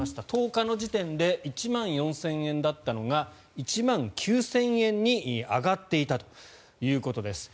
１０日の時点で１万４０００円だったのが１万９０００円に上がっていたということです。